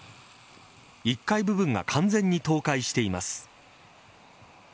１階部分が完全に倒壊しています。